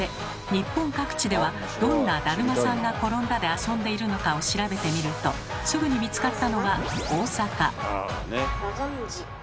日本各地ではどんな「だるまさんがころんだ」で遊んでいるのかを調べてみるとすぐに見つかったのは大阪。